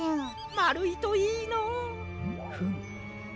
まるいといいのう。フム。